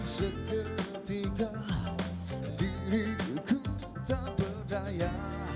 seketika diriku tak berdaya